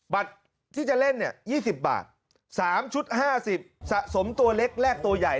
บัตรที่จะเล่น๒๐บาท๓ชุด๕๐สะสมตัวเล็กแรกตัวใหญ่